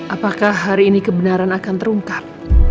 apakah hari ini kebenaran akan terungkap